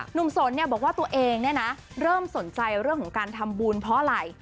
สนบอกว่าตัวเองเริ่มสนใจเรื่องของการทำบุญเพราะอะไร